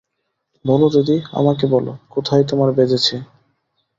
বলো দিদি, আমাকে বলো, কোথায় তোমার বেজেছে?